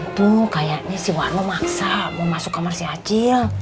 tuh kayaknya si wano maksa mau masuk kamar si acil